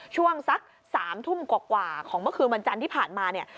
ช่วงสัก๓ทุ่มกว่าของเมื่อคืนวันจันทร์ที่ผ่านมาเนี่ย